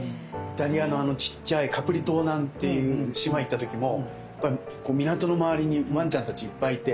イタリアのちっちゃいカプリ島なんていう島行った時もやっぱり港の周りにわんちゃんたちいっぱいいて。